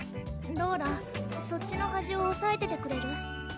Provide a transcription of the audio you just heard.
ローラそっちの端をおさえててくれる？